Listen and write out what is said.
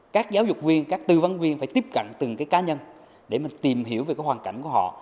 các học viên phải tiếp cận từng cái cá nhân để mình tìm hiểu về cái hoàn cảnh của họ